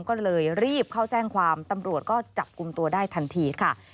ก็เลยรีบเข้าแจ้งความตำรวจก็จับกลุ่มตัวได้ทันทีค่ะ